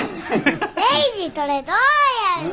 レイジこれどうやるの？